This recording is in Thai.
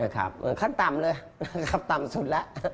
ขั้นต่ำเลยขั้นต่ำสุดล่ะ